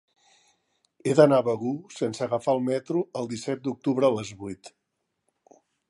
He d'anar a Begur sense agafar el metro el disset d'octubre a les vuit.